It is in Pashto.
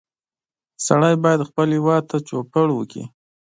سړی باید خپل هېواد ته چوپړ وکړي